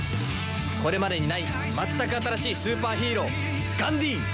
これまでにない全く新しいスーパーヒーローガンディーン！